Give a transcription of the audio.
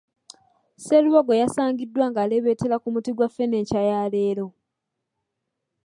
Sserubogo yasangiddwa ng'aleebetera ku muti gwa ffene enkya ya leero.